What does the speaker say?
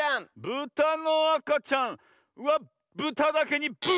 ブタのあかちゃんはブタだけにブーブー！